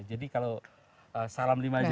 jadi kalau salam lima jari